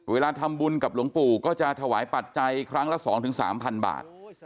เวลาทำบุญกับหลวงปู่ก็จะถวายปัจจัยครั้งละ๒๓๐๐บาท